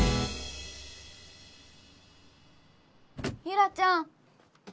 ユラちゃん。